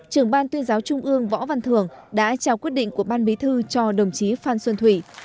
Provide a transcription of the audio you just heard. trưởng ban tuyên giáo trung ương võ văn thường đã trao quyết định của ban bí thư cho đồng chí phan xuân thủy